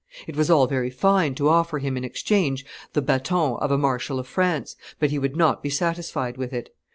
It was all very fine to offer him in exchange the baton of a marshal of France, but he would not be satisfied with it.